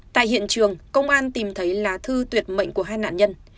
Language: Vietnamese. tại hiện trường công an tìm thấy lá thư tuyệt mệnh của hai nạn nhân